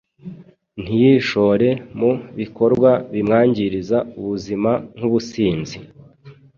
ntiyishore mu bikorwa bimwangiriza ubuzima nk’ubusinzi